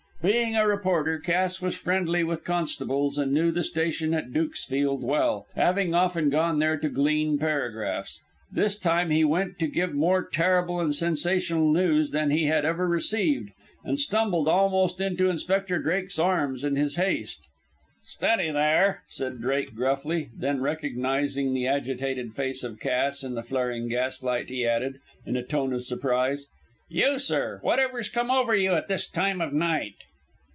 Being a reporter, Cass was friendly with constables, and knew the station at Dukesfield well, having often gone there to glean paragraphs. This time he went to give more terrible and sensational news than he had ever received, and stumbled almost into Inspector Drake's arms in his haste. "Steady there," said Drake, gruffly, then recognising the agitated face of Cass in the flaring gaslight, he added, in a tone of surprise: "You, sir; whatever's come over you at this time of night?"